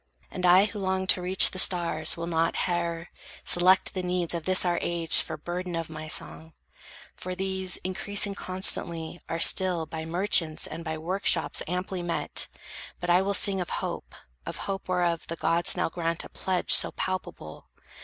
And I who long to reach The stars will not, howe'er, select the needs Of this our age for burden of my song; For these, increasing constantly, are still By merchants and by work shops amply met; But I will sing of hope, of hope whereof The gods now grant a pledge so palpable.